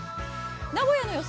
名古屋の予想